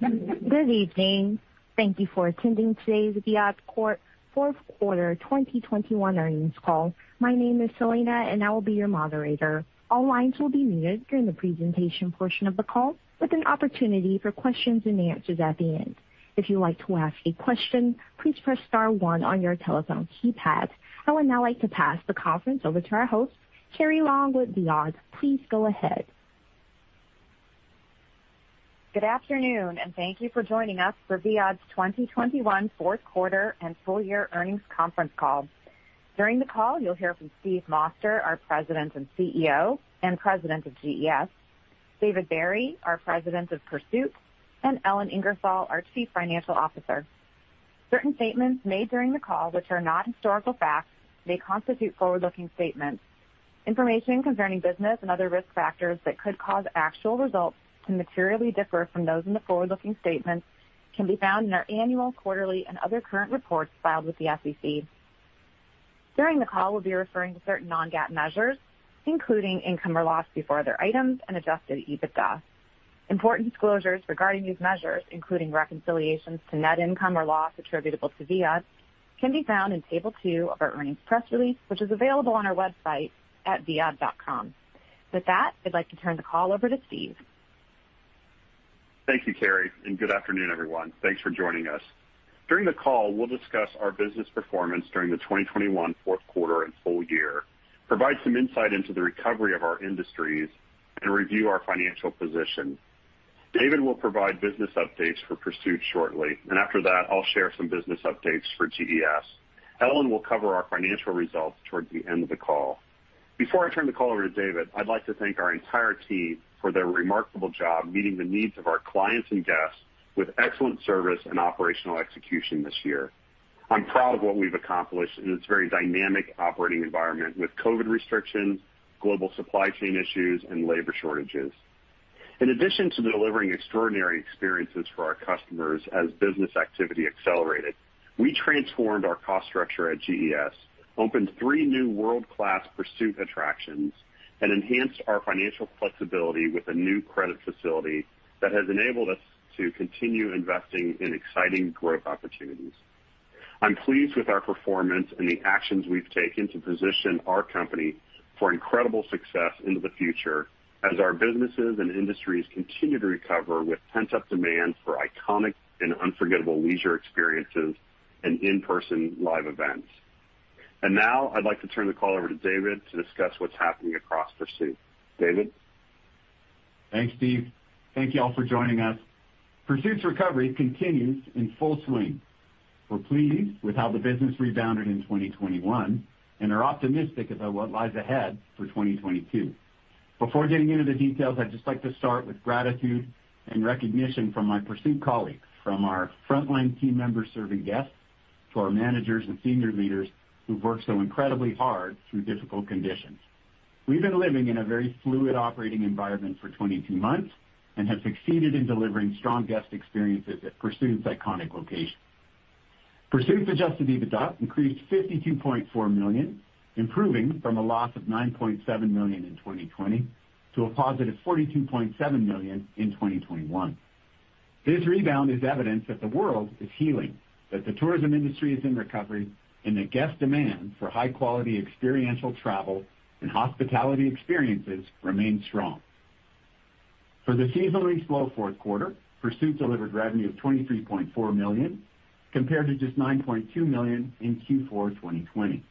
Good evening. Thank you for attending today's Viad Corp fourth quarter 2021 earnings call. My name is Selena, and I will be your moderator. All lines will be muted during the presentation portion of the call, with an opportunity for questions and answers at the end. If you'd like to ask a question, please press star one on your telephone keypad. I would now like to pass the conference over to our host, Carrie Long with Viad. Please go ahead. Good afternoon and thank you for joining us for Viad's 2021 fourth quarter and full year earnings conference call. During the call, you'll hear from Steve Moster, our President and CEO and President of GES, David Barry, our President of Pursuit, and Ellen Ingersoll, our Chief Financial Officer. Certain statements made during the call, which are not historical facts, may constitute forward-looking statements. Information concerning business and other risk factors that could cause actual results to materially differ from those in the forward-looking statements can be found in our annual, quarterly, and other current reports filed with the SEC. During the call, we'll be referring to certain non-GAAP measures, including income or loss before other items and adjusted EBITDA. Important disclosures regarding these measures, including reconciliations to net income or loss attributable to Viad, can be found in table two of our earnings press release, which is available on our website at viad.com. With that, I'd like to turn the call over to Steve. Thank you, Carrie, and good afternoon, everyone. Thanks for joining us. During the call, we'll discuss our business performance during the 2021 fourth quarter and full year, provide some insight into the recovery of our industries, and review our financial position. David will provide business updates for Pursuit shortly, and after that, I'll share some business updates for GES. Ellen will cover our financial results towards the end of the call. Before I turn the call over to David, I'd like to thank our entire team for their remarkable job meeting the needs of our clients and guests with excellent service and operational execution this year. I'm proud of what we've accomplished in this very dynamic operating environment with COVID restrictions, global supply chain issues, and labor shortages. In addition to delivering extraordinary experiences for our customers as business activity accelerated, we transformed our cost structure at GES, opened three new world-class Pursuit attractions, and enhanced our financial flexibility with a new credit facility that has enabled us to continue investing in exciting growth opportunities. I'm pleased with our performance and the actions we've taken to position our company for incredible success into the future as our businesses and industries continue to recover with pent-up demand for iconic and unforgettable leisure experiences and in-person live events. Now I'd like to turn the call over to David to discuss what's happening across Pursuit. David? Thanks, Steve. Thank you all for joining us. Pursuit's recovery continues in full swing. We're pleased with how the business rebounded in 2021 and are optimistic about what lies ahead for 2022. Before getting into the details, I'd just like to start with gratitude and recognition from my Pursuit colleagues, from our frontline team members serving guests to our managers and senior leaders who've worked so incredibly hard through difficult conditions. We've been living in a very fluid operating environment for 22 months and have succeeded in delivering strong guest experiences at Pursuit's iconic locations. Pursuit's adjusted EBITDA increased $52.4 million, improving from a loss of $9.7 million in 2020 to a positive $42.7 million in 2021. This rebound is evidence that the world is healing, that the tourism industry is in recovery, and that guest demand for high-quality experiential travel and hospitality experiences remains strong. For the seasonally slow fourth quarter, Pursuit delivered revenue of $23.4 million, compared to just $9.2 million in Q4 2020.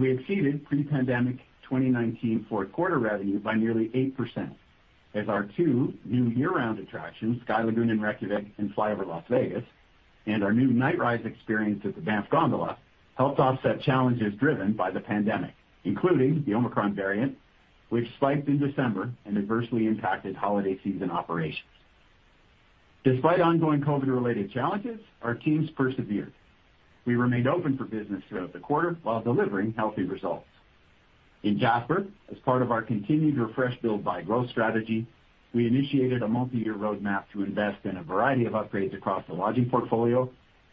We exceeded pre-pandemic 2019 fourth quarter revenue by nearly 8%, as our two new year-round attractions, Sky Lagoon in Reykjavík and FlyOver Las Vegas, and our new Nightrise experience at the Banff Gondola, helped offset challenges driven by the pandemic, including the Omicron variant, which spiked in December and adversely impacted holiday season operations. Despite ongoing COVID-related challenges, our teams persevered. We remained open for business throughout the quarter while delivering healthy results. In Jasper, as part of our continued refresh build-by-growth strategy, we initiated a multi-year roadmap to invest in a variety of upgrades across the lodging portfolio,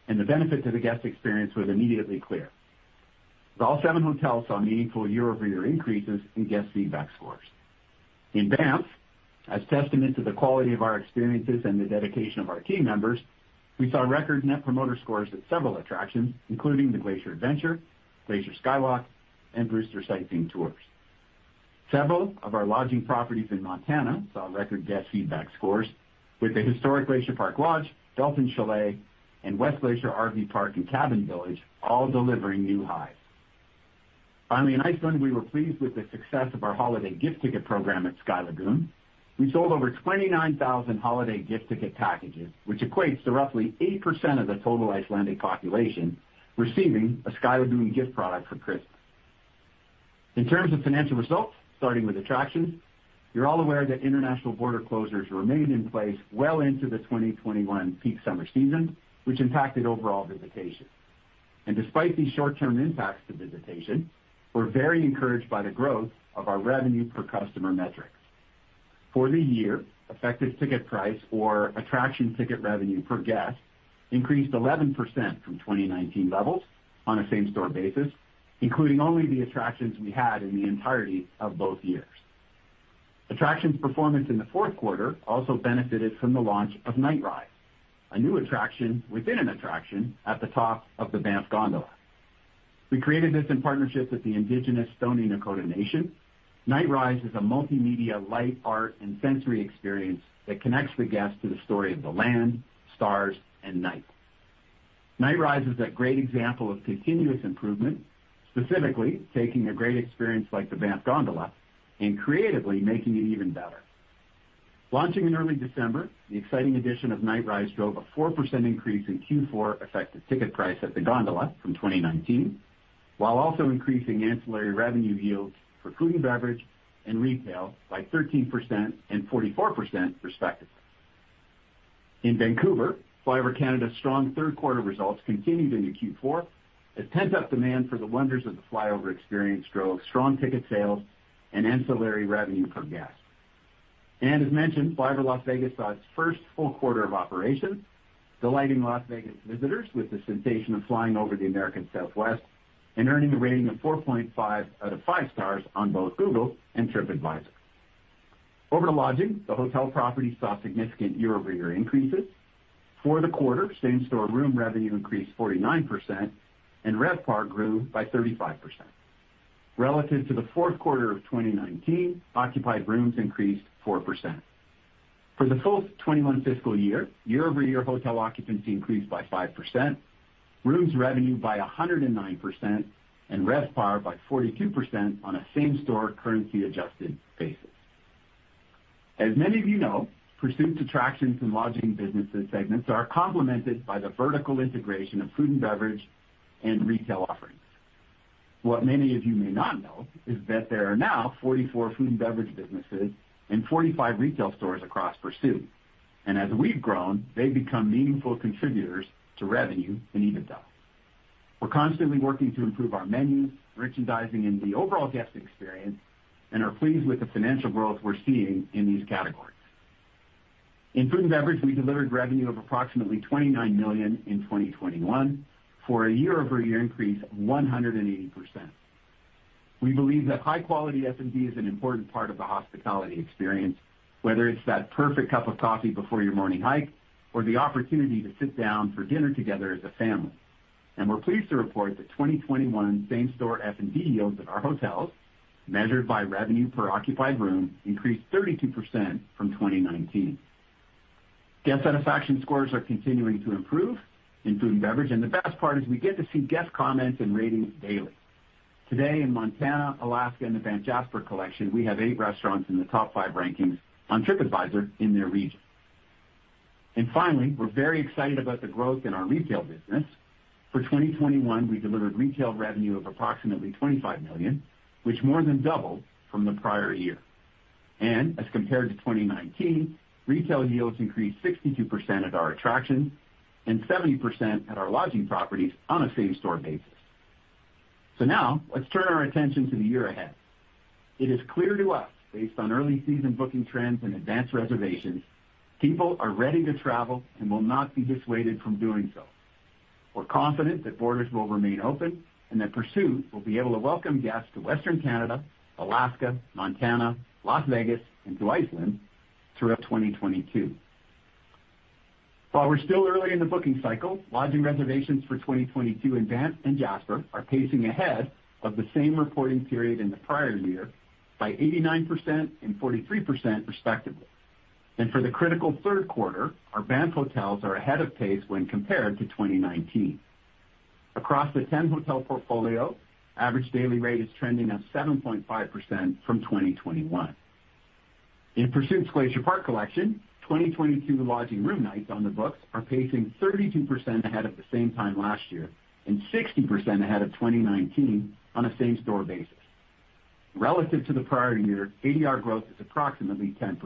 and the benefit to the guest experience was immediately clear. All seven hotels saw meaningful year-over-year increases in guest feedback scores. In Banff, as testament to the quality of our experiences and the dedication of our team members, we saw record net promoter scores at several attractions, including the Glacier Adventure, Glacier Skywalk, and Brewster Sightseeing Tours. Several of our lodging properties in Montana saw record guest feedback scores, with the historic Glacier Park Lodge, Belton Chalet, and West Glacier RV Park and Cabin Village all delivering new highs. Finally, in Iceland, we were pleased with the success of our holiday gift ticket program at Sky Lagoon. We sold over 29,000 holiday gift ticket packages, which equates to roughly 80% of the total Icelandic population receiving a Sky Lagoon gift product for Christmas. In terms of financial results, starting with attractions, you're all aware that international border closures remained in place well into the 2021 peak summer season, which impacted overall visitation. Despite these short-term impacts to visitation, we're very encouraged by the growth of our revenue per customer metrics. For the year, effective ticket price or attraction ticket revenue per guest increased 11% from 2019 levels on a same-store basis. Including only the attractions we had in the entirety of both years. Attractions performance in the fourth quarter also benefited from the launch of Nightrise, a new attraction within an attraction at the top of the Banff Gondola. We created this in partnership with the Indigenous Stoney Nakoda Nation. Nightrise is a multimedia light art and sensory experience that connects the guests to the story of the land, stars, and night. Nightrise is a great example of continuous improvement, specifically taking a great experience like the Banff Gondola and creatively making it even better. Launching in early December, the exciting addition of Nightrise drove a 4% increase in Q4 effective ticket price at the gondola from 2019, while also increasing ancillary revenue yields for food and beverage and retail by 13% and 44% respectively. In Vancouver, FlyOver Canada's strong third quarter results continued into Q4 as pent-up demand for the wonders of the FlyOver experience drove strong ticket sales and ancillary revenue per guest. As mentioned, FlyOver Las Vegas saw its first full quarter of operation, delighting Las Vegas visitors with the sensation of flying over the American Southwest and earning a rating of 4.5 out of five stars on both Google and TripAdvisor. Over to lodging. The hotel property saw significant year-over-year increases. For the quarter, same-store room revenue increased 49%, and RevPAR grew by 35%. Relative to the fourth quarter of 2019, occupied rooms increased 4%. For the full 2021 fiscal year-over-year hotel occupancy increased by 5%, rooms revenue by 109%, and RevPAR by 42% on a same-store currency adjusted basis. As many of you know, Pursuit's attractions and lodging businesses segments are complemented by the vertical integration of food and beverage and retail offerings. What many of you may not know is that there are now 44 food and beverage businesses and 45 retail stores across Pursuit. As we've grown, they've become meaningful contributors to revenue and EBITDA. We're constantly working to improve our menus, merchandising, and the overall guest experience, and are pleased with the financial growth we're seeing in these categories. In food and beverage, we delivered revenue of approximately $29 million in 2021 for a year-over-year increase of 180%. We believe that high-quality F&B is an important part of the hospitality experience, whether it's that perfect cup of coffee before your morning hike or the opportunity to sit down for dinner together as a family. We're pleased to report that 2021 same-store F&B yields at our hotels, measured by revenue per occupied room, increased 32% from 2019. Guest satisfaction scores are continuing to improve in food and beverage, and the best part is we get to see guest comments and ratings daily. Today in Montana, Alaska, and the Banff Jasper Collection, we have eight restaurants in the top five rankings on TripAdvisor in their region. Finally, we're very excited about the growth in our retail business. For 2021, we delivered retail revenue of approximately $25 million, which more than doubled from the prior year. As compared to 2019, retail yields increased 62% at our attractions and 70% at our lodging properties on a same-store basis. Now let's turn our attention to the year ahead. It is clear to us, based on early season booking trends and advanced reservations, people are ready to travel and will not be dissuaded from doing so. We're confident that borders will remain open and that Pursuit will be able to welcome guests to Western Canada, Alaska, Montana, Las Vegas, and to Iceland throughout 2022. While we're still early in the booking cycle, lodging reservations for 2022 in Banff and Jasper are pacing ahead of the same reporting period in the prior year by 89% and 43% respectively. For the critical third quarter, our Banff hotels are ahead of pace when compared to 2019. Across the 10-hotel portfolio, average daily rate is trending up 7.5% from 2021. In Pursuit's Glacier Park Collection, 2022 lodging room nights on the books are pacing 32% ahead of the same time last year and 60% ahead of 2019 on a same-store basis. Relative to the prior year, ADR growth is approximately 10%.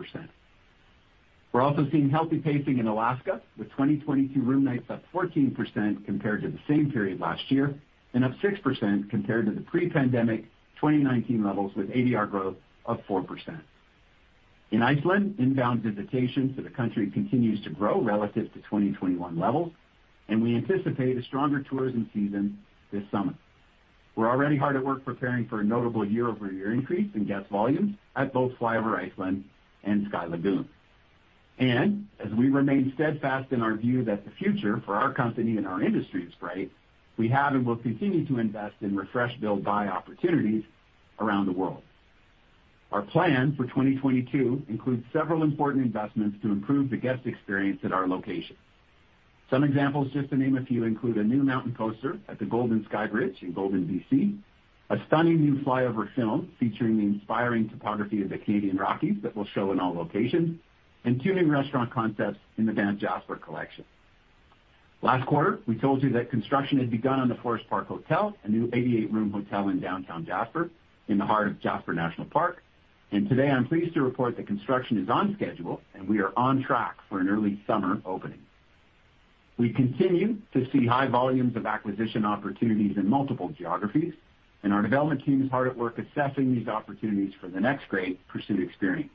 We're also seeing healthy pacing in Alaska, with 2022 room nights up 14% compared to the same period last year, and up 6% compared to the pre-pandemic 2019 levels, with ADR growth of 4%. In Iceland, inbound visitation to the country continues to grow relative to 2021 levels, and we anticipate a stronger tourism season this summer. We're already hard at work preparing for a notable year-over-year increase in guest volumes at both FlyOver Iceland and Sky Lagoon. As we remain steadfast in our view that the future for our company and our industry is bright, we have and will continue to invest in refresh, build, buy opportunities around the world. Our plan for 2022 includes several important investments to improve the guest experience at our locations. Some examples, just to name a few, include a new mountain coaster at the Golden Skybridge in Golden, B.C., a stunning new FlyOver film featuring the inspiring topography of the Canadian Rockies that will show in all locations, and two new restaurant concepts in the Banff Jasper Collection. Last quarter, we told you that construction had begun on the Forest Park Hotel, a new 88-room hotel in downtown Jasper in the heart of Jasper National Park. Today, I'm pleased to report that construction is on schedule, and we are on track for an early summer opening. We continue to see high volumes of acquisition opportunities in multiple geographies, and our development team is hard at work assessing these opportunities for the next great Pursuit experience.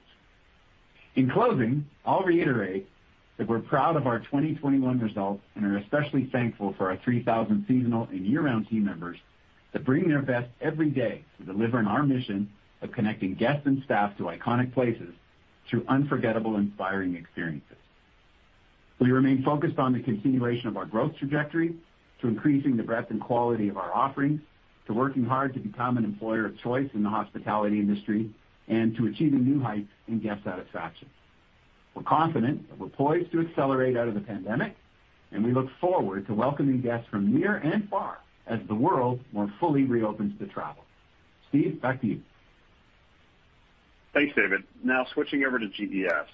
In closing, I'll reiterate that we're proud of our 2021 results and are especially thankful for our 3,000 seasonal and year-round team members that bring their best every day to delivering our mission of connecting guests and staff to iconic places through unforgettable, inspiring experiences. We remain focused on the continuation of our growth trajectory to increasing the breadth and quality of our offerings, to working hard to become an employer of choice in the hospitality industry, and to achieving new heights in guest satisfaction. We're confident that we're poised to accelerate out of the pandemic, and we look forward to welcoming guests from near and far as the world more fully reopens to travel. Steve, back to you. Thanks, David. Now switching over to GES.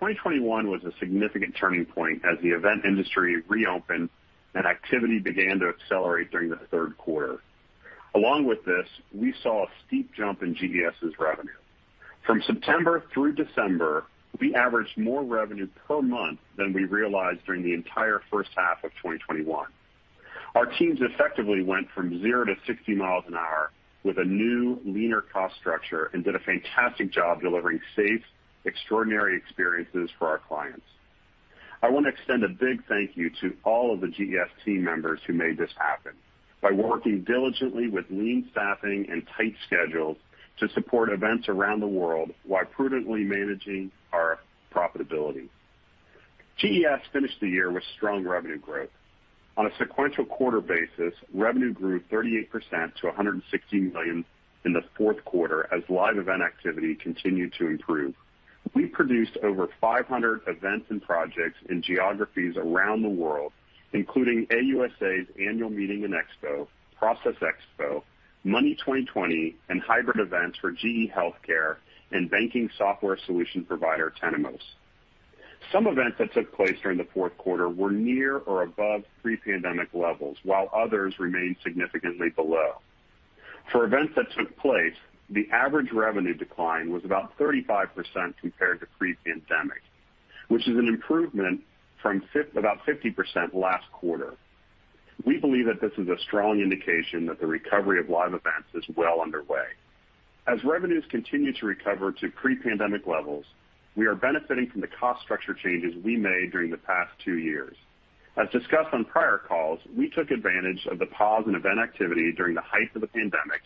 2021 was a significant turning point as the event industry reopened and activity began to accelerate during the third quarter. Along with this, we saw a steep jump in GES's revenue. From September through December, we averaged more revenue per month than we realized during the entire first half of 2021. Our teams effectively went from zero to 60 miles an hour with a new leaner cost structure and did a fantastic job delivering safe, extraordinary experiences for our clients. I wanna extend a big thank you to all of the GES team members who made this happen by working diligently with lean staffing and tight schedules to support events around the world while prudently managing our profitability. GES finished the year with strong revenue growth. On a sequential quarter basis, revenue grew 38% to $160 million in the fourth quarter as live event activity continued to improve. We produced over 500 events and projects in geographies around the world, including AUSA's annual meeting and expo, Process Expo, Money20/20, and hybrid events for GE Healthcare and banking software solution provider, Temenos. Some events that took place during the fourth quarter were near or above pre-pandemic levels, while others remained significantly below. For events that took place, the average revenue decline was about 35% compared to pre-pandemic, which is an improvement from about 50% last quarter. We believe that this is a strong indication that the recovery of live events is well underway. As revenues continue to recover to pre-pandemic levels, we are benefiting from the cost structure changes we made during the past two years. As discussed on prior calls, we took advantage of the pause in event activity during the height of the pandemic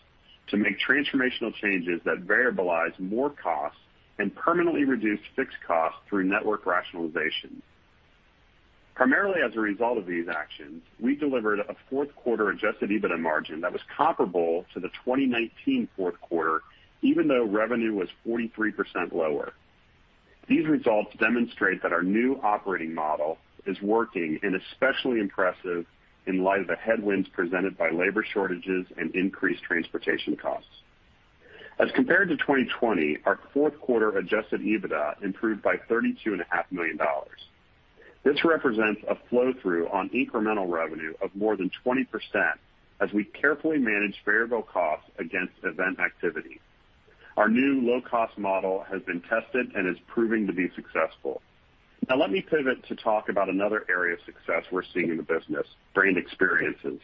to make transformational changes that variabilize more costs and permanently reduced fixed costs through network rationalization. Primarily as a result of these actions, we delivered a fourth quarter adjusted EBITDA margin that was comparable to the 2019 fourth quarter, even though revenue was 43% lower. These results demonstrate that our new operating model is working and especially impressive in light of the headwinds presented by labor shortages and increased transportation costs. As compared to 2020, our fourth quarter adjusted EBITDA improved by $32.5 million. This represents a flow-through on incremental revenue of more than 20% as we carefully manage variable costs against event activity. Our new low-cost model has been tested and is proving to be successful. Now let me pivot to talk about another area of success we're seeing in the business, brand experiences.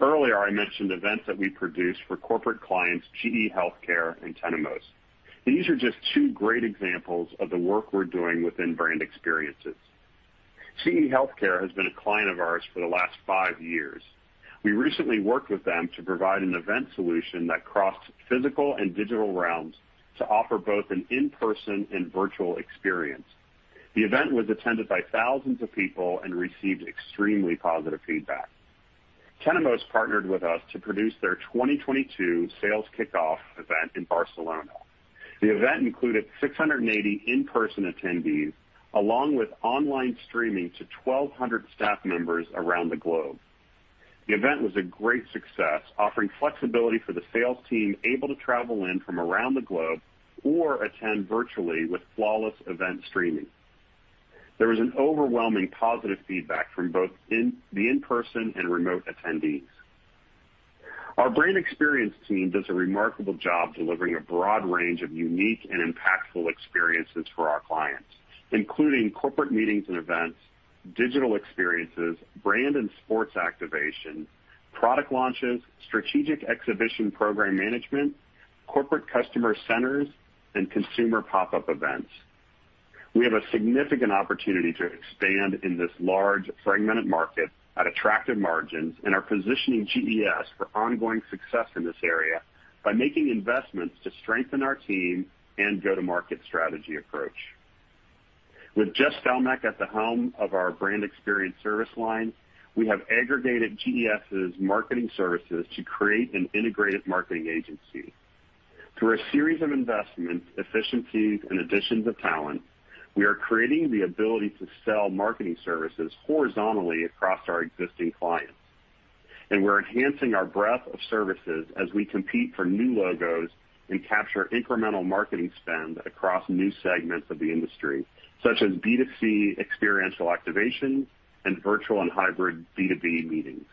Earlier, I mentioned events that we produced for corporate clients, GE Healthcare and Temenos. These are just two great examples of the work we're doing within brand experiences. GE Healthcare has been a client of ours for the last five years. We recently worked with them to provide an event solution that crossed physical and digital realms to offer both an in-person and virtual experience. The event was attended by thousands of people and received extremely positive feedback. Temenos partnered with us to produce their 2022 sales kickoff event in Barcelona. The event included 680 in-person attendees, along with online streaming to 1,200 staff members around the globe. The event was a great success, offering flexibility for the sales team able to travel in from around the globe or attend virtually with flawless event streaming. There was an overwhelming positive feedback from both the in-person and remote attendees. Our brand experience team does a remarkable job delivering a broad range of unique and impactful experiences for our clients, including corporate meetings and events, digital experiences, brand and sports activation, product launches, strategic exhibition program management, corporate customer centers, and consumer pop-up events. We have a significant opportunity to expand in this large fragmented market at attractive margins and are positioning GES for ongoing success in this area by making investments to strengthen our team and go-to-market strategy approach. With Jeff Stelmach at the helm of our brand experience service line, we have aggregated GES' marketing services to create an integrated marketing agency. Through a series of investments, efficiencies, and additions of talent, we are creating the ability to sell marketing services horizontally across our existing clients. We're enhancing our breadth of services as we compete for new logos and capture incremental marketing spend across new segments of the industry, such as B2C experiential activation and virtual and hybrid B2B meetings.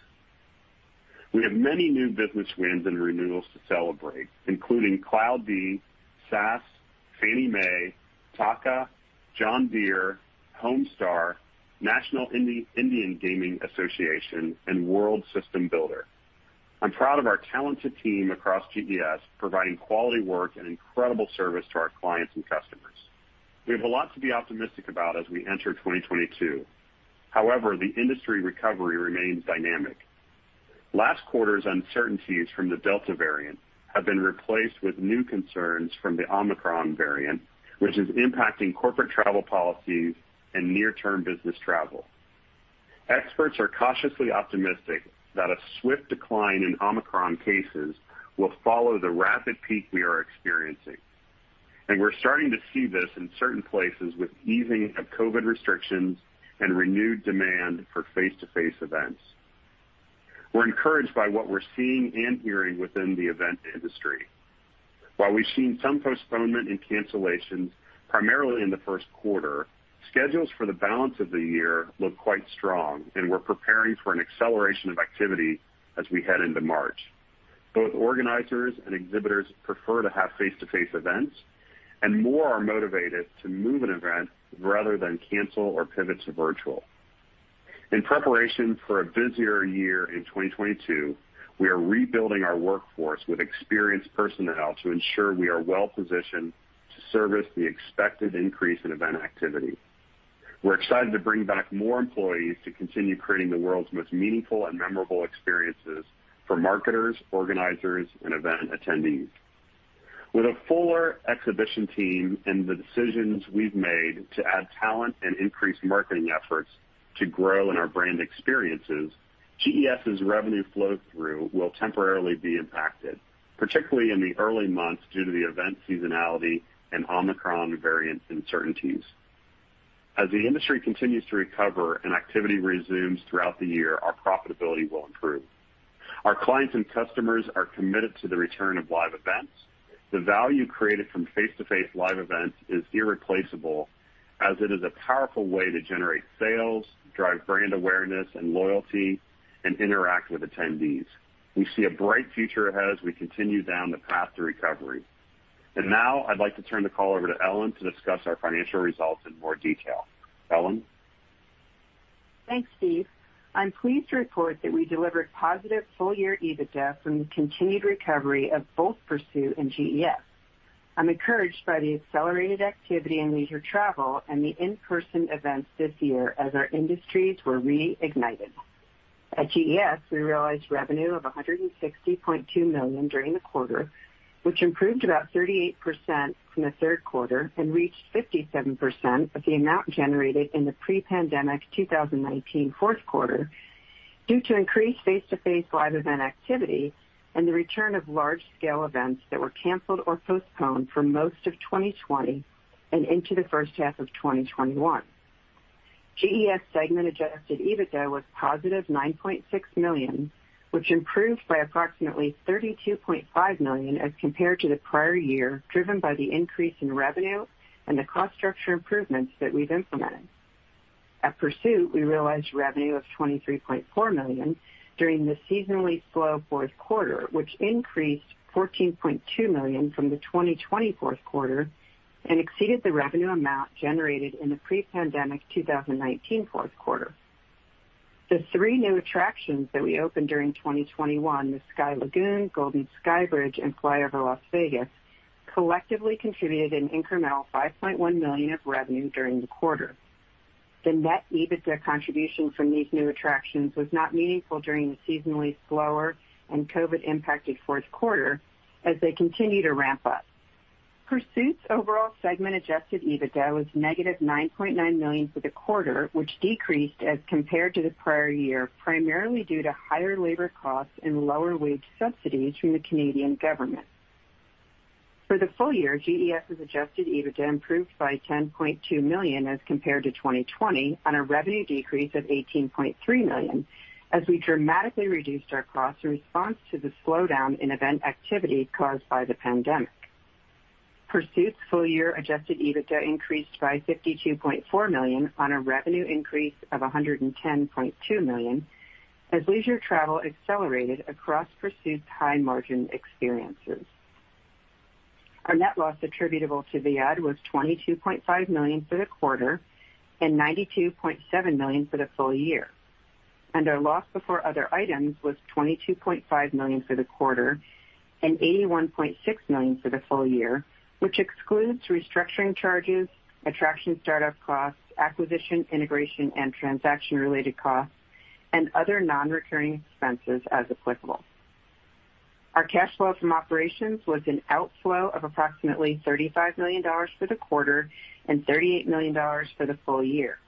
We have many new business wins and renewals to celebrate, including Cloudera, SAS, Fannie Mae, Tata, John Deere, HomeStar, National Indian Gaming Association, and World System Builder. I'm proud of our talented team across GES, providing quality work and incredible service to our clients and customers. We have a lot to be optimistic about as we enter 2022. However, the industry recovery remains dynamic. Last quarter's uncertainties from the Delta variant have been replaced with new concerns from the Omicron variant, which is impacting corporate travel policies and near-term business travel. Experts are cautiously optimistic that a swift decline in Omicron cases will follow the rapid peak we are experiencing, and we're starting to see this in certain places with easing of COVID restrictions and renewed demand for face-to-face events. We're encouraged by what we're seeing and hearing within the event industry. While we've seen some postponement and cancellations, primarily in the first quarter, schedules for the balance of the year look quite strong, and we're preparing for an acceleration of activity as we head into March. Both organizers and exhibitors prefer to have face-to-face events, and more are motivated to move an event rather than cancel or pivot to virtual. In preparation for a busier year in 2022, we are rebuilding our workforce with experienced personnel to ensure we are well-positioned to service the expected increase in event activity. We're excited to bring back more employees to continue creating the world's most meaningful and memorable experiences for marketers, organizers, and event attendees. With a fuller exhibition team and the decisions we've made to add talent and increase marketing efforts to grow in our brand experiences, GES's revenue flow through will temporarily be impacted, particularly in the early months, due to the event seasonality and Omicron variant uncertainties. As the industry continues to recover and activity resumes throughout the year, our profitability will improve. Our clients and customers are committed to the return of live events. The value created from face-to-face live events is irreplaceable as it is a powerful way to generate sales, drive brand awareness and loyalty, and interact with attendees. We see a bright future ahead as we continue down the path to recovery. Now I'd like to turn the call over to Ellen to discuss our financial results in more detail. Ellen? Thanks, Steve. I'm pleased to report that we delivered positive full-year EBITDA from the continued recovery of both Pursuit and GES. I'm encouraged by the accelerated activity in leisure travel and the in-person events this year as our industries were reignited. At GES, we realized revenue of $160.2 million during the quarter, which improved about 38% from the third quarter and reached 57% of the amount generated in the pre-pandemic 2019 fourth quarter due to increased face-to-face live event activity and the return of large-scale events that were canceled or postponed for most of 2020 and into the first half of 2021. GES segment adjusted EBITDA was positive $9.6 million, which improved by approximately $32.5 million as compared to the prior year, driven by the increase in revenue and the cost structure improvements that we've implemented. At Pursuit, we realized revenue of $23.4 million during the seasonally slow fourth quarter, which increased $14.2 million from the 2020 fourth quarter and exceeded the revenue amount generated in the pre-pandemic 2019 fourth quarter. The three new attractions that we opened during 2021, the Sky Lagoon, Golden Skybridge, and FlyOver Las Vegas, collectively contributed an incremental $5.1 million of revenue during the quarter. The net EBITDA contribution from these new attractions was not meaningful during the seasonally slower and COVID-impacted fourth quarter as they continue to ramp up. Pursuit's overall segment adjusted EBITDA was -$9.9 million for the quarter, which decreased as compared to the prior year, primarily due to higher labor costs and lower wage subsidies from the Canadian government. For the full year, GES's adjusted EBITDA improved by $10.2 million as compared to 2020 on a revenue decrease of $18.3 million, as we dramatically reduced our costs in response to the slowdown in event activity caused by the pandemic. Pursuit's full-year adjusted EBITDA increased by $52.4 million on a revenue increase of $110.2 million, as leisure travel accelerated across Pursuit's high-margin experiences. Our net loss attributable to Viad was $22.5 million for the quarter and $92.7 million for the full year. Our loss before other items was $22.5 million for the quarter and $81.6 million for the full year, which excludes restructuring charges, attraction startup costs, acquisition, integration, and transaction-related costs, and other non-recurring expenses as applicable. Our cash flow from operations was an outflow of approximately $35 million for the quarter and $38 million for the full year.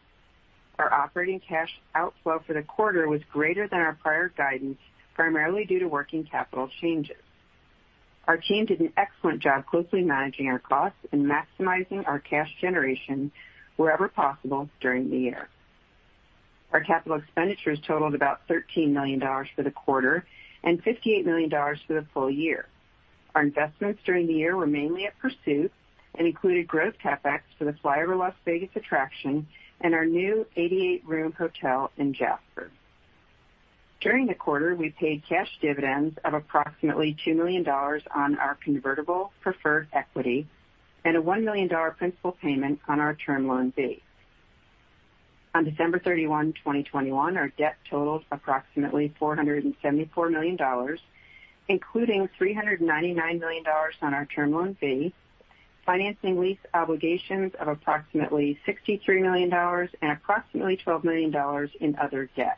Our operating cash outflow for the quarter was greater than our prior guidance, primarily due to working capital changes. Our team did an excellent job closely managing our costs and maximizing our cash generation wherever possible during the year. Our capital expenditures totaled about $13 million for the quarter and $58 million for the full year. Our investments during the year were mainly at Pursuit and included growth CapEx for the FlyOver Las Vegas attraction and our new 88-room hotel in Jasper. During the quarter, we paid cash dividends of approximately $2 million on our convertible preferred equity and a $1 million principal payment on our term loan B. On December 31, 2021, our debt totals approximately $474 million, including $399 million on our term loan B, financing lease obligations of approximately $63 million, and approximately $12 million in other debt.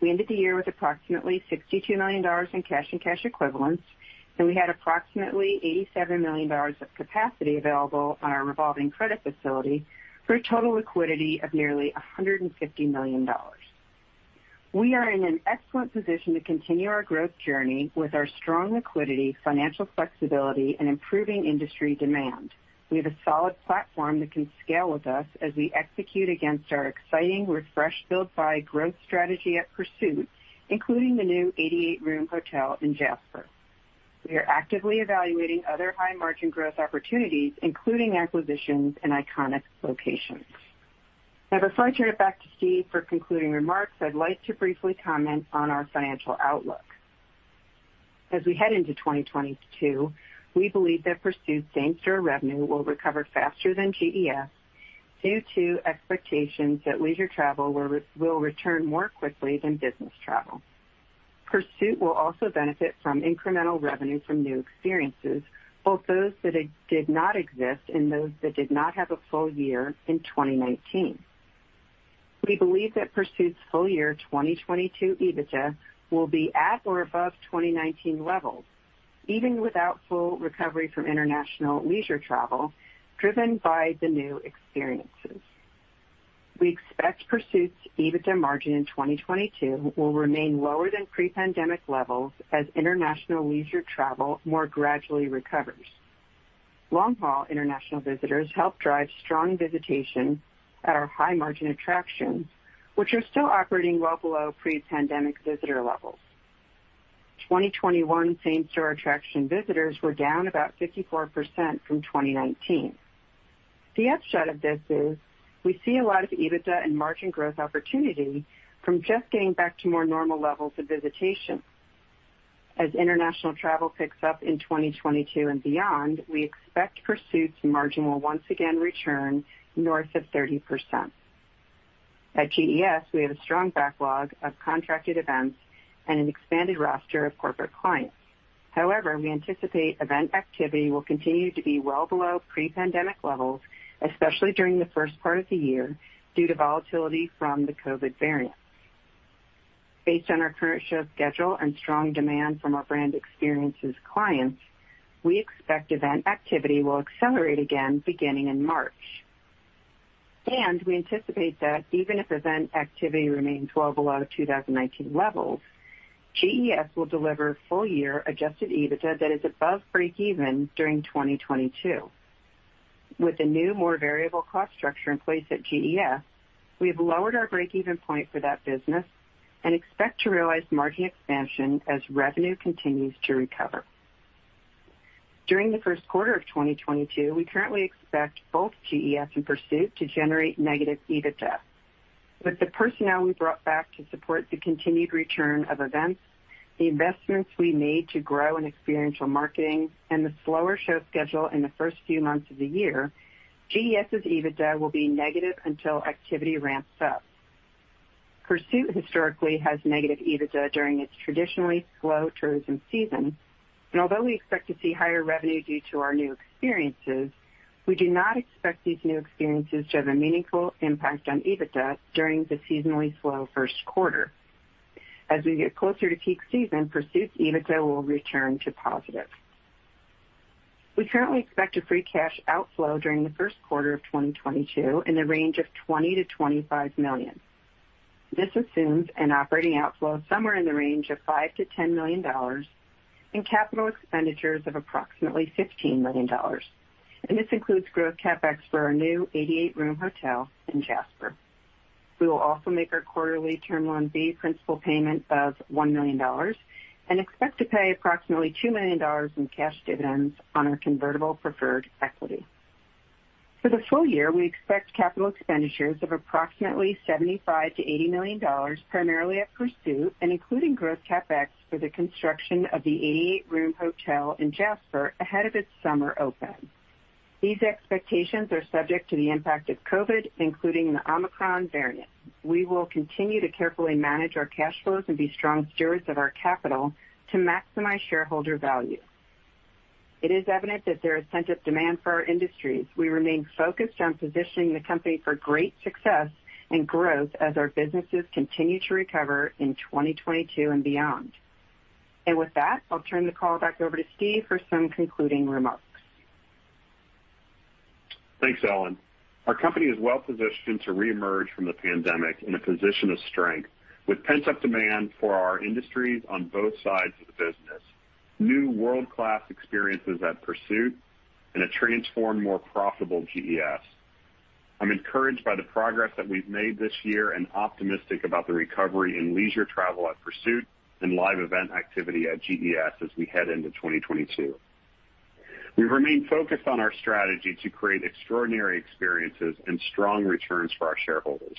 We ended the year with approximately $62 million in cash and cash equivalents, and we had approximately $87 million of capacity available on our revolving credit facility for a total liquidity of nearly $150 million. We are in an excellent position to continue our growth journey with our strong liquidity, financial flexibility, and improving industry demand. We have a solid platform that can scale with us as we execute against our exciting refresh build by growth strategy at Pursuit, including the new 88-room hotel in Jasper. We are actively evaluating other high margin growth opportunities, including acquisitions in iconic locations. Now, before I turn it back to Steve for concluding remarks, I'd like to briefly comment on our financial outlook. As we head into 2022, we believe that Pursuit same-store revenue will recover faster than GES due to expectations that leisure travel will return more quickly than business travel. Pursuit will also benefit from incremental revenue from new experiences, both those that did not exist and those that did not have a full year in 2019. We believe that Pursuit's full year 2022 EBITDA will be at or above 2019 levels, even without full recovery from international leisure travel driven by the new experiences. We expect Pursuit's EBITDA margin in 2022 will remain lower than pre-pandemic levels as international leisure travel more gradually recovers. Long-haul international visitors help drive strong visitation at our high margin attractions, which are still operating well below pre-pandemic visitor levels. 2021 same-store attraction visitors were down about 54% from 2019. The upshot of this is we see a lot of EBITDA and margin growth opportunity from just getting back to more normal levels of visitation. As international travel picks up in 2022 and beyond, we expect Pursuit's margin will once again return north of 30%. At GES, we have a strong backlog of contracted events and an expanded roster of corporate clients. However, we anticipate event activity will continue to be well below pre-pandemic levels, especially during the first part of the year, due to volatility from the COVID variants. Based on our current show schedule and strong demand from our brand experiences clients, we expect event activity will accelerate again beginning in March. We anticipate that even if event activity remains well below 2019 levels, GES will deliver full year adjusted EBITDA that is above breakeven during 2022. With the new, more variable cost structure in place at GES, we have lowered our breakeven point for that business and expect to realize margin expansion as revenue continues to recover. During the first quarter of 2022, we currently expect both GES and Pursuit to generate negative EBITDA. With the personnel we brought back to support the continued return of events, the investments we made to grow in experiential marketing, and the slower show schedule in the first few months of the year, GES's EBITDA will be negative until activity ramps up. Pursuit historically has negative EBITDA during its traditionally slow tourism season, and although we expect to see higher revenue due to our new experiences, we do not expect these new experiences to have a meaningful impact on EBITDA during the seasonally slow first quarter. As we get closer to peak season, Pursuit's EBITDA will return to positive. We currently expect a free cash outflow during the first quarter of 2022 in the range of $20 million-$25 million. This assumes an operating outflow somewhere in the range of $5 million-$10 million and capital expenditures of approximately $15 million. This includes growth CapEx for our new 88-room hotel in Jasper. We will also make our quarterly term loan B principal payment of $1 million and expect to pay approximately $2 million in cash dividends on our convertible preferred equity. For the full year, we expect capital expenditures of approximately $75 million-$80 million, primarily at Pursuit, and including growth CapEx for the construction of the 88-room hotel in Jasper ahead of its summer open. These expectations are subject to the impact of COVID, including the Omicron variant. We will continue to carefully manage our cash flows and be strong stewards of our capital to maximize shareholder value. It is evident that there is pent-up demand for our industries. We remain focused on positioning the company for great success and growth as our businesses continue to recover in 2022 and beyond. With that, I'll turn the call back over to Steve for some concluding remarks. Thanks, Ellen. Our company is well-positioned to re-emerge from the pandemic in a position of strength with pent-up demand for our industries on both sides of the business, new world-class experiences at Pursuit, and a transformed, more profitable GES. I'm encouraged by the progress that we've made this year and optimistic about the recovery in leisure travel at Pursuit and live event activity at GES as we head into 2022. We remain focused on our strategy to create extraordinary experiences and strong returns for our shareholders.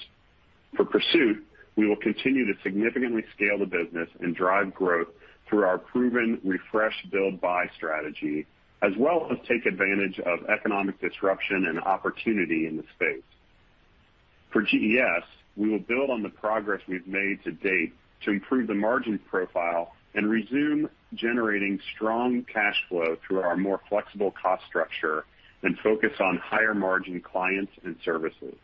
For Pursuit, we will continue to significantly scale the business and drive growth through our proven refresh build buy strategy, as well as take advantage of economic disruption and opportunity in the space. For GES, we will build on the progress we've made to date to improve the margin profile and resume generating strong cash flow through our more flexible cost structure and focus on higher margin clients and services.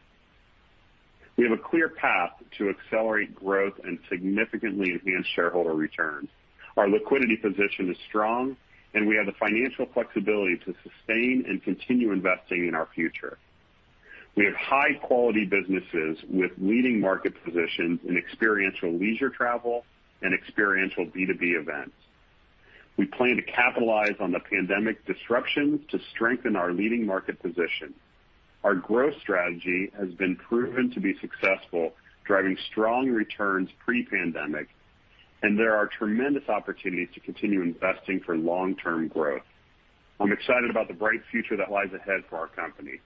We have a clear path to accelerate growth and significantly enhance shareholder returns. Our liquidity position is strong, and we have the financial flexibility to sustain and continue investing in our future. We have high-quality businesses with leading market positions in experiential leisure travel and experiential B2B events. We plan to capitalize on the pandemic disruptions to strengthen our leading market position. Our growth strategy has been proven to be successful, driving strong returns pre-pandemic, and there are tremendous opportunities to continue investing for long-term growth. I'm excited about the bright future that lies ahead for our company.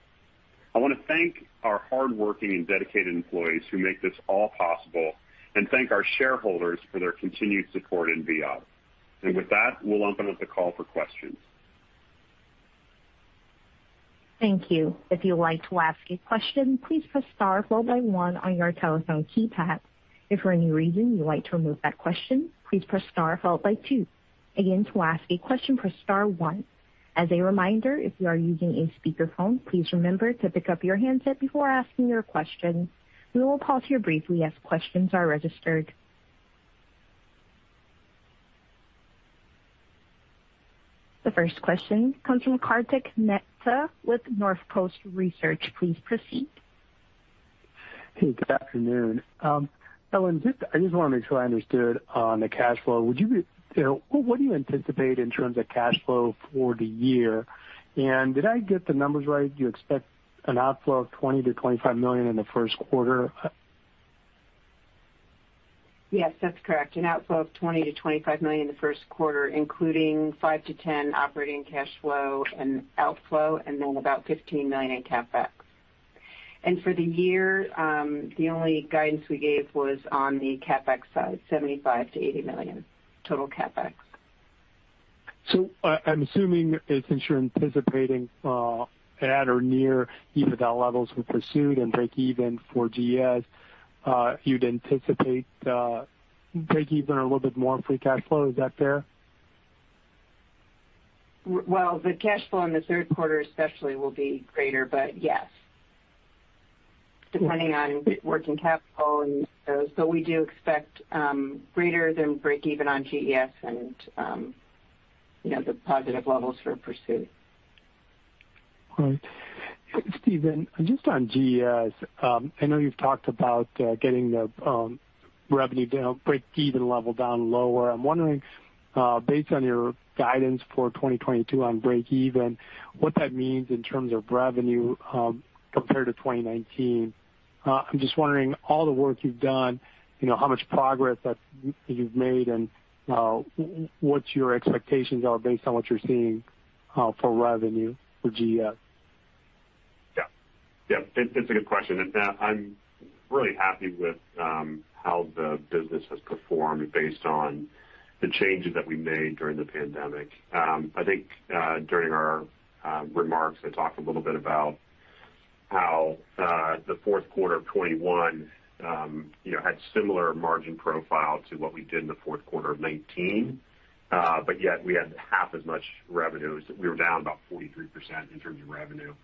I wanna thank our hardworking and dedicated employees who make this all possible, and thank our shareholders for their continued support in Viad. With that, we'll open up the call for questions. Thank you. If you'd like to ask a question, please press star followed by one on your telephone keypad. If for any reason you'd like to remove that question, please press star followed by two. Again, to ask a question, press star one. As a reminder, if you are using a speakerphone, please remember to pick up your handset before asking your question. We will pause here briefly as questions are registered. The first question comes from Kartik Mehta with Northcoast Research. Please proceed. Hey, good afternoon. Ellen, I just wanna make sure I understood on the cash flow. You know, what do you anticipate in terms of cash flow for the year? Did I get the numbers right? Do you expect an outflow of $20 million-$25 million in the first quarter? Yes, that's correct. An outflow of $20 million-$25 million in the first quarter, including $5 million-$10 million operating cash flow outflow, and then about $15 million in CapEx. For the year, the only guidance we gave was on the CapEx side, $75 million-$80 million total CapEx. I'm assuming since you're anticipating at or near EBITDA levels for Pursuit and breakeven for GES, you'd anticipate breakeven or a little bit more free cash flow. Is that fair? Well, the cash flow in the third quarter especially will be greater, but yes. Depending on working capital. We do expect greater than breakeven on GES and, you know, the positive levels for Pursuit. All right. Steve, just on GES, I know you've talked about getting the revenue down, breakeven level down lower. I'm wondering, based on your guidance for 2022 on breakeven, what that means in terms of revenue, compared to 2019. I'm just wondering all the work you've done, you know, how much progress that you've made and what your expectations are based on what you're seeing for revenue for GES. It's a good question. I'm really happy with how the business has performed based on the changes that we made during the pandemic. I think during our remarks, I talked a little bit about how the fourth quarter of 2021, you know, had similar margin profile to what we did in the fourth quarter of 2019. But yet we had half as much revenue. We were down about 43% in terms of revenue.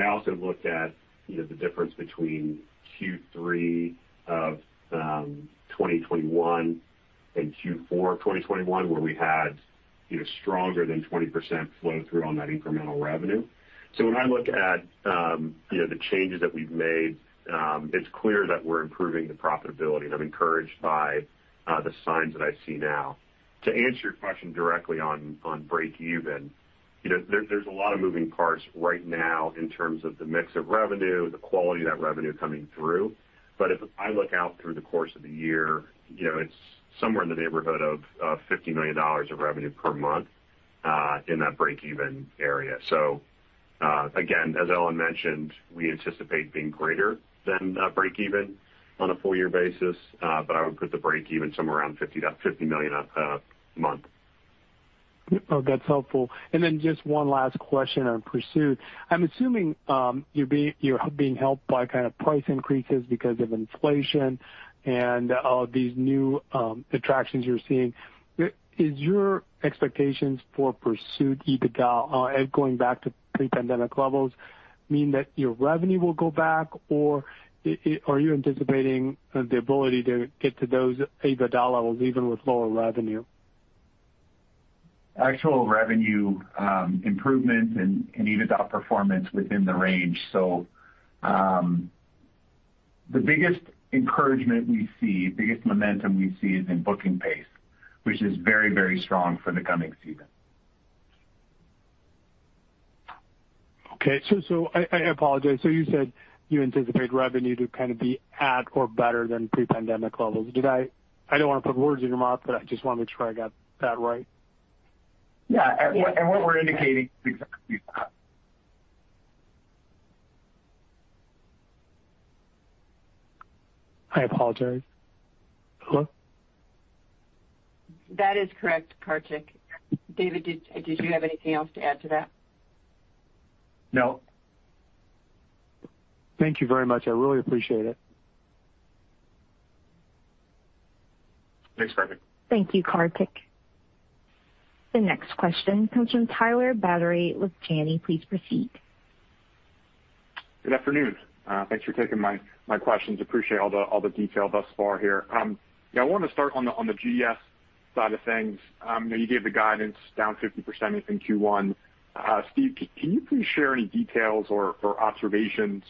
I also looked at, you know, the difference between Q3 of 2021 and Q4 of 2021, where we had, you know, stronger than 20% flow through on that incremental revenue. When I look at, you know, the changes that we've made, it's clear that we're improving the profitability, and I'm encouraged by the signs that I see now. To answer your question directly on breakeven, you know, there's a lot of moving parts right now in terms of the mix of revenue, the quality of that revenue coming through. If I look out through the course of the year, you know, it's somewhere in the neighborhood of $50 million of revenue per month in that breakeven area. Again, as Ellen mentioned, we anticipate being greater than breakeven on a full year basis, but I would put the breakeven somewhere around $50 million a month. Oh, that's helpful. Just one last question on Pursuit. I'm assuming you're being helped by kind of price increases because of inflation and these new attractions you're seeing. Is your expectations for Pursuit EBITDA going back to pre-pandemic levels mean that your revenue will go back, or are you anticipating the ability to get to those EBITDA levels even with lower revenue? Actual revenue improvements and EBITDA performance within the range. The biggest encouragement we see, biggest momentum we see is in booking pace, which is very, very strong for the coming season. Okay. I apologize. You said you anticipate revenue to kind of be at or better than pre-pandemic levels. Did I don't wanna put words in your mouth, but I just wanna make sure I got that right? Yeah. What we're indicating exactly that. I apologize. Hello? That is correct, Kartik. David, did you have anything else to add to that? No. Thank you very much. I really appreciate it. Thanks, Kartik. Thank you, Kartik. The next question comes from Tyler Batory with Janney. Please proceed. Good afternoon. Thanks for taking my questions. Appreciate all the detail thus far here. Yeah, I wanna start on the GES side of things. You know, you gave the guidance down 50% in Q1. Steve, can you please share any details or observations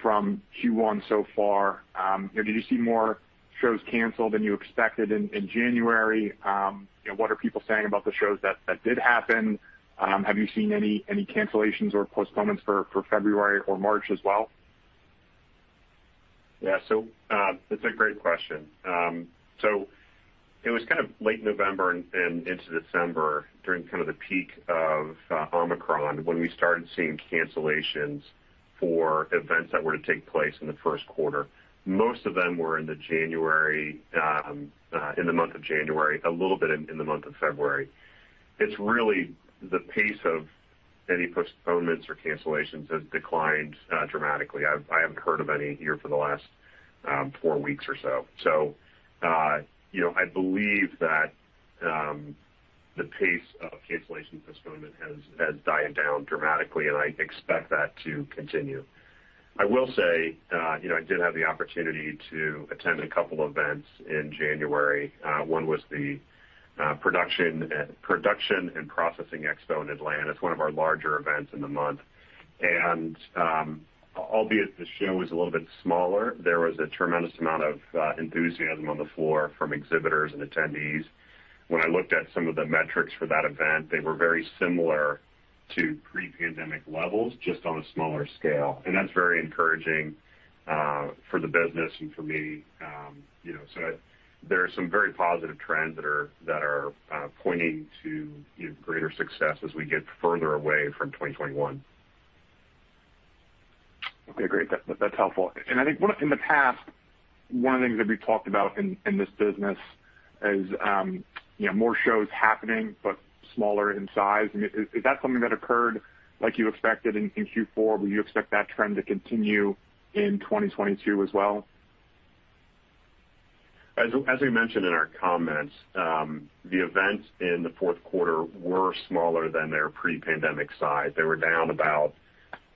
from Q1 so far? You know, did you see more shows canceled than you expected in January? You know, what are people saying about the shows that did happen? Have you seen any cancellations or postponements for February or March as well? That's a great question. It was kind of late November and into December during kind of the peak of Omicron when we started seeing cancellations for events that were to take place in the first quarter. Most of them were in January, a little bit in the month of February. It's really the pace of any postponements or cancellations has declined dramatically. I haven't heard of any here for the last four weeks or so. You know, I believe that the pace of cancellation and postponement has died down dramatically, and I expect that to continue. I will say, you know, I did have the opportunity to attend a couple events in January. One was the International Production & Processing Expo in Atlanta. It's one of our larger events in the month. Albeit the show was a little bit smaller, there was a tremendous amount of enthusiasm on the floor from exhibitors and attendees. When I looked at some of the metrics for that event, they were very similar to pre-pandemic levels, just on a smaller scale, and that's very encouraging for the business and for me. You know, there are some very positive trends that are pointing to you know, greater success as we get further away from 2021. Okay. Great. That's helpful. I think in the past, one of the things that we talked about in this business is more shows happening but smaller in size. I mean, is that something that occurred like you expected in Q4? Will you expect that trend to continue in 2022 as well? As I mentioned in our comments, the events in the fourth quarter were smaller than their pre-pandemic size. They were down about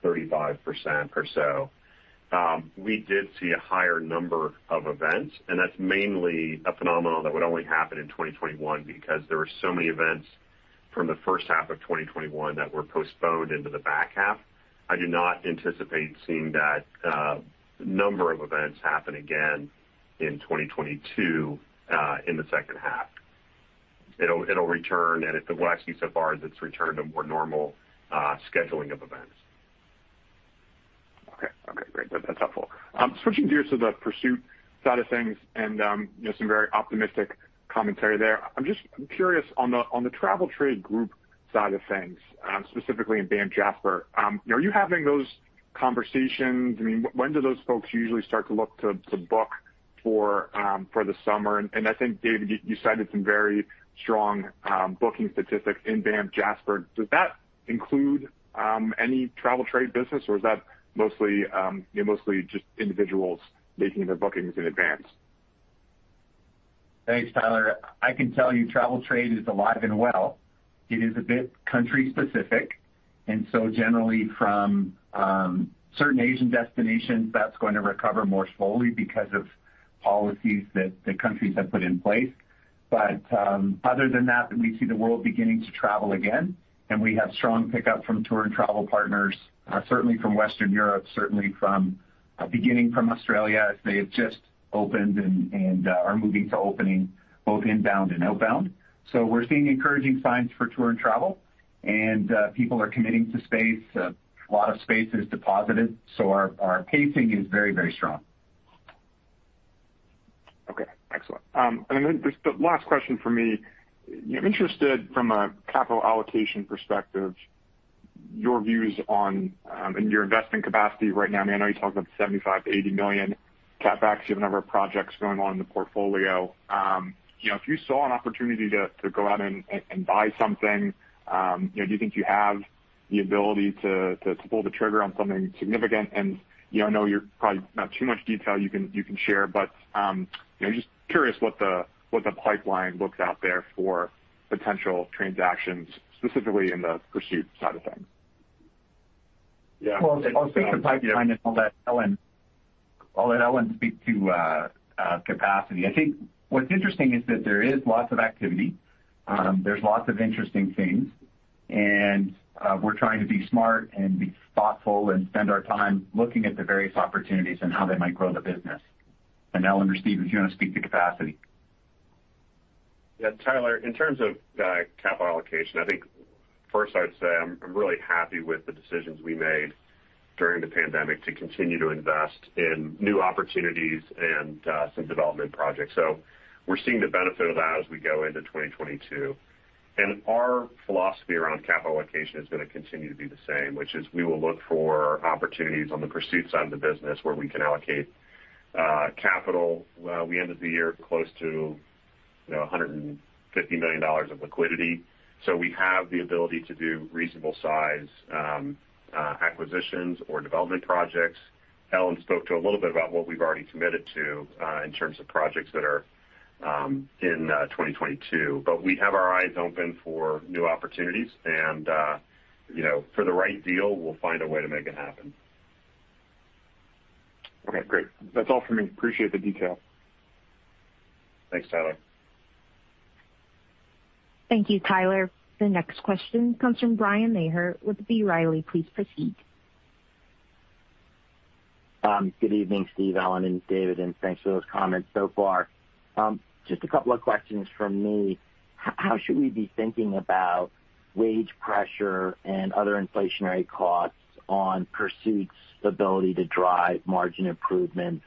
35% or so. We did see a higher number of events, and that's mainly a phenomenon that would only happen in 2021 because there were so many events from the first half of 2021 that were postponed into the back half. I do not anticipate seeing that number of events happen again in 2022, in the second half. It'll return. Well, actually so far as it's returned to more normal scheduling of events. Okay. Okay, great. That's helpful. Switching gears to the Pursuit side of things and, you know, some very optimistic commentary there. I'm curious on the travel trade group side of things, specifically in Banff Jasper, are you having those conversations? I mean, when do those folks usually start to look to book for the summer? I think, David, you cited some very strong booking statistics in Banff Jasper. Does that include any travel trade business, or is that mostly, you know, mostly just individuals making their bookings in advance? Thanks, Tyler. I can tell you travel trade is alive and well. It is a bit country specific, and so generally from certain Asian destinations, that's going to recover more slowly because of policies that the countries have put in place. Other than that, we see the world beginning to travel again, and we have strong pickup from tour and travel partners, certainly from Western Europe, certainly from beginning from Australia as they have just opened and are moving to opening both inbound and outbound. We're seeing encouraging signs for tour and travel, and people are committing to space. A lot of space is deposited, so our pacing is very, very strong. Okay. Excellent. Just the last question from me. I'm interested from a capital allocation perspective, your views on your investment capacity right now. I mean, I know you talked about $75 million-$80 million CapEx. You have a number of projects going on in the portfolio. You know, if you saw an opportunity to go out and buy something, you know, do you think you have the ability to pull the trigger on something significant? You know, I know there's probably not too much detail you can share, but you know, just curious what the pipeline looks like out there for potential transactions, specifically in the Pursuit side of things. Well, I'll speak to pipeline and I'll let Ellen speak to capacity. I think what's interesting is that there is lots of activity. There's lots of interesting things, and we're trying to be smart and be thoughtful and spend our time looking at the various opportunities and how they might grow the business. Ellen or Steve, if you wanna speak to capacity. Yeah, Tyler, in terms of capital allocation, I think first I'd say I'm really happy with the decisions we made. During the pandemic, we continued to invest in new opportunities and some development projects. We're seeing the benefit of that as we go into 2022. Our philosophy around capital allocation is gonna continue to be the same, which is we will look for opportunities on the Pursuit side of the business where we can allocate capital. We ended the year close to $150 million of liquidity. We have the ability to do reasonable-sized acquisitions or development projects. Ellen spoke a little bit about what we've already committed to in terms of projects that are in 2022. We have our eyes open for new opportunities and for the right deal, we'll find a way to make it happen. Okay, great. That's all for me. Appreciate the detail. Thanks, Tyler. Thank you, Tyler. The next question comes from Bryan Maher with B. Riley. Please proceed. Good evening, Steve, Ellen, and David, and thanks for those comments so far. Just a couple of questions from me. How should we be thinking about wage pressure and other inflationary costs on Pursuit's ability to drive margin improvements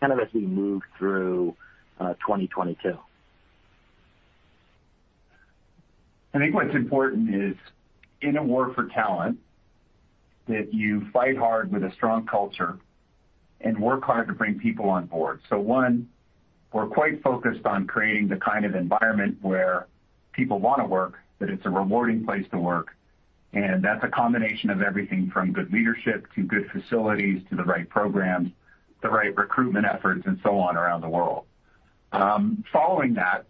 kind of as we move through 2022? I think what's important is in a war for talent that you fight hard with a strong culture and work hard to bring people on board. One, we're quite focused on creating the kind of environment where people wanna work, that it's a rewarding place to work. That's a combination of everything from good leadership to good facilities to the right programs, the right recruitment efforts and so on around the world. Following that,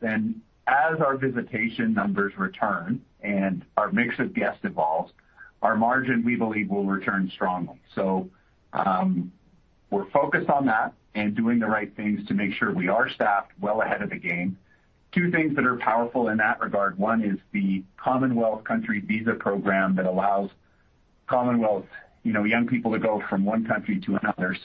as our visitation numbers return and our mix of guests evolves, our margin we believe will return strongly. We're focused on that and doing the right things to make sure we are staffed well ahead of the game. Two things that are powerful in that regard. One is the Commonwealth Country Visa program that allows Commonwealth, you know, young people to go from one country to another.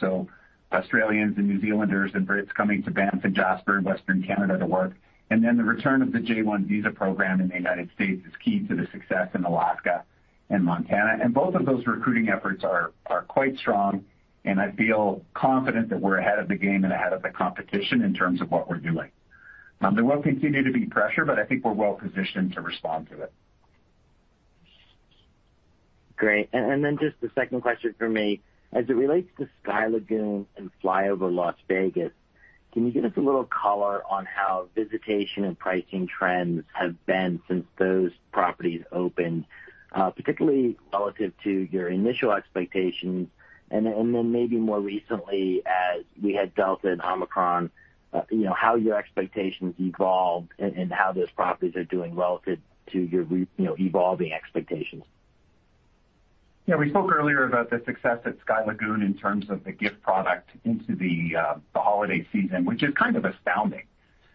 Australians and New Zealanders and Brits coming to Banff and Jasper in Western Canada to work. The return of the J-1 visa program in the United States is key to the success in Alaska and Montana. Both of those recruiting efforts are quite strong, and I feel confident that we're ahead of the game and ahead of the competition in terms of what we're doing. There will continue to be pressure, but I think we're well positioned to respond to it. Great. Just the second question for me. As it relates to Sky Lagoon and FlyOver Las Vegas, can you give us a little color on how visitation and pricing trends have been since those properties opened, particularly relative to your initial expectations? Maybe more recently as we had Delta and Omicron, you know, how your expectations evolved and how those properties are doing relative to your, you know, evolving expectations. Yeah, we spoke earlier about the success at Sky Lagoon in terms of the gift product into the holiday season, which is kind of astounding.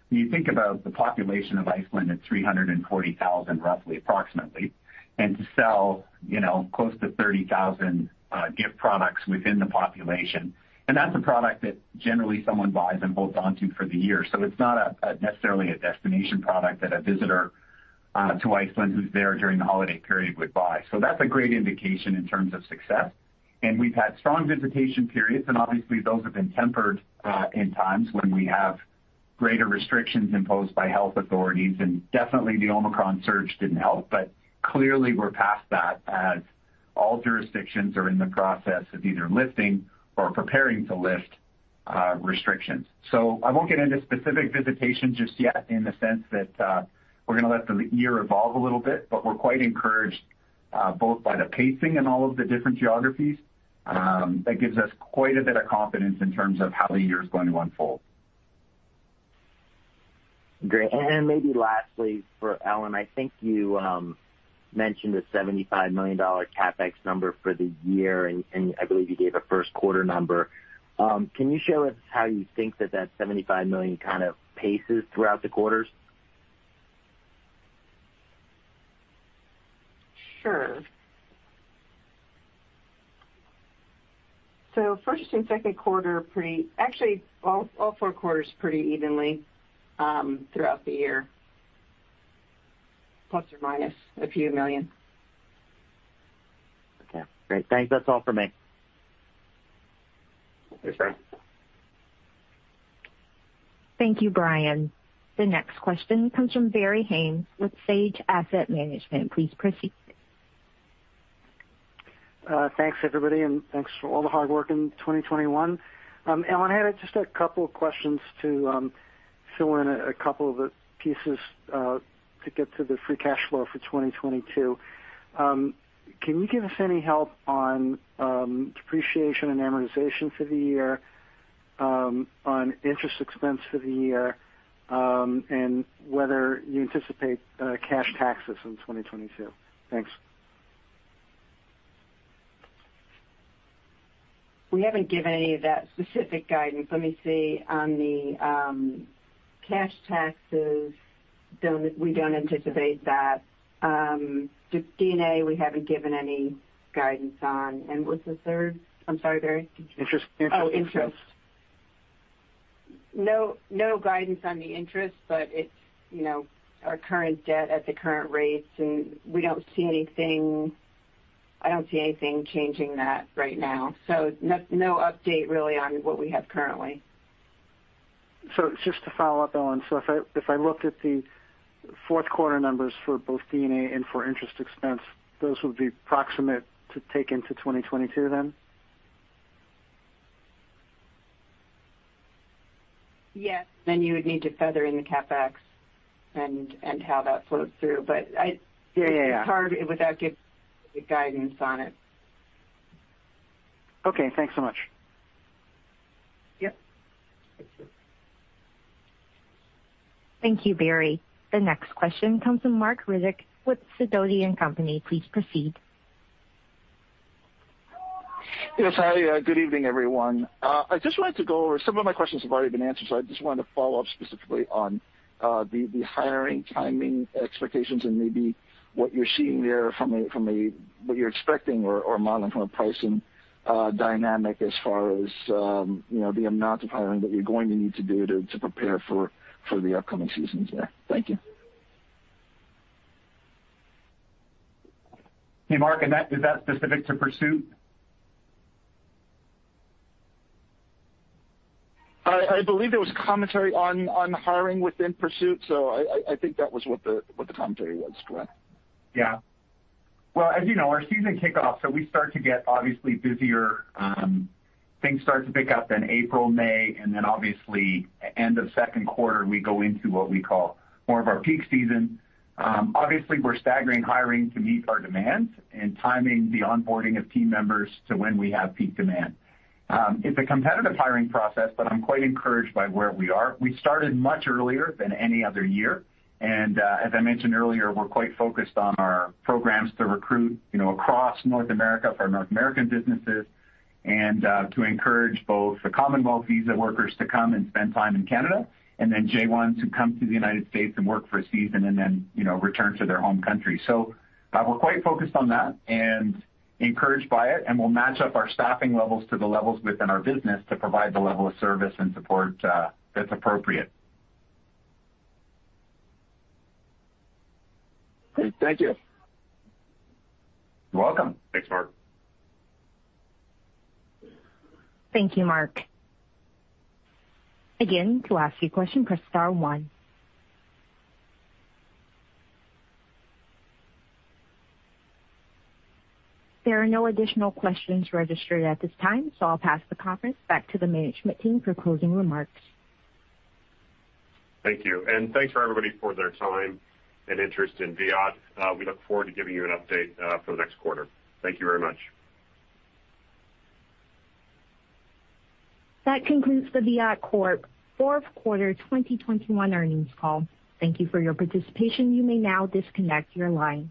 When you think about the population of Iceland at 340,000 roughly, approximately, and to sell, you know, close to 30,000 gift products within the population. That's a product that generally someone buys and holds onto for the year. It's not a necessarily a destination product that a visitor to Iceland who's there during the holiday period would buy. That's a great indication in terms of success. We've had strong visitation periods, and obviously those have been tempered in times when we have greater restrictions imposed by health authorities. Definitely the Omicron surge didn't help. Clearly we're past that as all jurisdictions are in the process of either lifting or preparing to lift restrictions. I won't get into specific visitations just yet in the sense that we're gonna let the year evolve a little bit, but we're quite encouraged both by the pacing in all of the different geographies that gives us quite a bit of confidence in terms of how the year's going to unfold. Great. Maybe lastly for Ellen, I think you mentioned a $75 million CapEx number for the year, and I believe you gave a first quarter number. Can you share with us how you think that $75 million kind of paces throughout the quarters? Sure. Actually all four quarters pretty evenly throughout the year, plus or minus $a few million. Okay, great. Thanks. That's all for me. Thanks, Bryan. Thank you, Bryan. The next question comes from Barry Haimes with Sage Asset Management. Please proceed. Thanks everybody, and thanks for all the hard work in 2021. Ellen, I had just a couple of questions to fill in a couple of the pieces to get to the free cash flow for 2022. Can you give us any help on depreciation and amortization for the year, on interest expense for the year, and whether you anticipate cash taxes in 2022? Thanks. We haven't given any of that specific guidance. Let me see. On the cash taxes, we don't anticipate that. D&A, we haven't given any guidance on. What's the third? I'm sorry, Barry. Interest. No guidance on the interest, but it's, you know, our current debt at the current rates, and we don't see anything I don't see anything changing that right now. No update really on what we have currently. Just to follow up, Ellen. If I looked at the fourth quarter numbers for both D&A and for interest expense, those would be proximate to take into 2022 then? Yes. You would need to feather in the CapEx and how that flows through. I- Yeah. It's hard without giving the guidance on it. Okay, thanks so much. Yep. Thank you, Barry. The next question comes from Marc Riddick with Sidoti & Company. Please proceed. Yes, hi. Good evening, everyone. Some of my questions have already been answered, so I just wanted to follow up specifically on the hiring timing expectations and maybe what you're seeing there, what you're expecting or modeling from a pricing dynamic as far as you know the amount of hiring that you're going to need to do to prepare for the upcoming seasons there. Thank you. Hey, Marc. Is that specific to Pursuit? I believe there was commentary on hiring within Pursuit, so I think that was what the commentary was, Glenn. Yeah. Well, as you know, our season kickoffs, so we start to get obviously busier, things start to pick up in April, May, and then obviously end of second quarter, we go into what we call more of our peak season. Obviously we're staggering hiring to meet our demands and timing the onboarding of team members to when we have peak demand. It's a competitive hiring process, but I'm quite encouraged by where we are. We started much earlier than any other year, and, as I mentioned earlier, we're quite focused on our programs to recruit, you know, across North America for North American businesses and, to encourage both the Commonwealth Visa workers to come and spend time in Canada and then J-1s who come to the United States and work for a season and then, you know, return to their home country. We're quite focused on that and encouraged by it, and we'll match up our staffing levels to the levels within our business to provide the level of service and support that's appropriate. Great. Thank you. You're welcome. Thanks, Marc. Thank you, Marc. Again, to ask a question, press star one. There are no additional questions registered at this time, so I'll pass the conference back to the management team for closing remarks. Thank you. Thanks for everybody for their time and interest in Viad. We look forward to giving you an update for the next quarter. Thank you very much. That concludes the Viad Corp fourth quarter 2021 earnings call. Thank you for your participation. You may now disconnect your line.